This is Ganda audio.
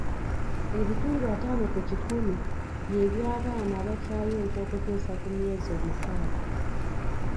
Ebitundu ataano ku kikumi bye eby'abaana abakyayonka okutuusa ku myezi omukaaga.